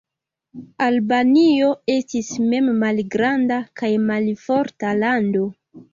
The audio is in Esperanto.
Albanio estis mem malgranda kaj malforta lando.